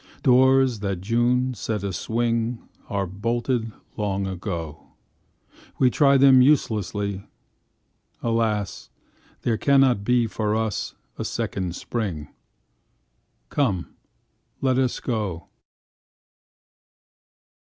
Doors that June set a swing Are bolted long ago; We try them uselessly Alas there cannot be For us a second spring; Come, let us go.